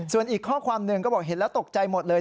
ส่วนอีกข้อความหนึ่งก็บอกเห็นแล้วตกใจหมดเลย